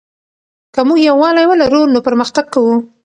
که موږ یووالی ولرو نو پرمختګ کوو.